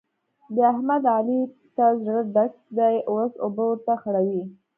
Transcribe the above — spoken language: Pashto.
د احمد؛ علي ته زړه ډک دی اوس اوبه ورته خړوي.